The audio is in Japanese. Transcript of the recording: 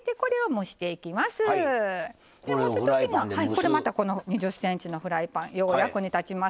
これまた２０ｃｍのフライパンよう役に立ちます。